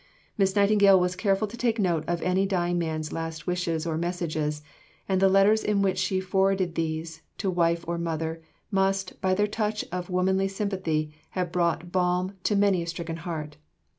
Miss Nightingale was careful to take note of any dying man's last wishes or messages, and the letters in which she forwarded these, to wife or mother, must, by their touch of womanly sympathy, have brought balm to many a stricken heart.